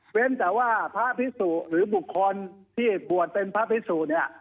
เว้นแต่ว่าพระภิกษุหรือบุคคลที่บวชเป็นพระภิกษุนี้